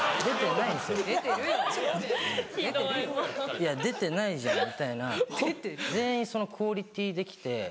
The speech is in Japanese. いや出てないじゃんみたいな全員そのクオリティーで来て。